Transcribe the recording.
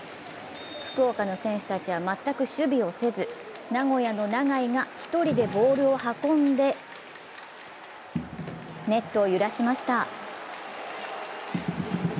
福岡の選手たちは全く守備をせず名古屋の永井が１人でボールを運んでネットを揺らしました。